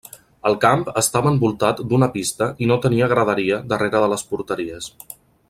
El camp estava envoltat d'una pista i no tenia graderia darrere de les porteries.